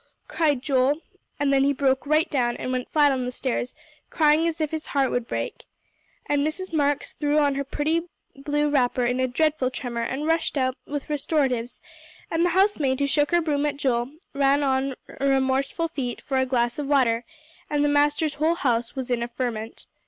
cried Joel, and then he broke right down, and went flat on the stairs, crying as if his heart would break. And Mrs. Marks threw on her pretty blue wrapper in a dreadful tremor, and rushed out with restoratives; and the housemaid who shook her broom at Joel, ran on remorseful feet for a glass of water, and the master's whole house was in a ferment.